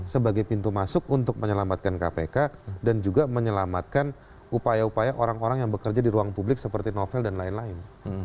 sebagai pintu masuk untuk menyelamatkan kpk dan juga menyelamatkan upaya upaya orang orang yang bekerja di ruang publik seperti novel dan lain lain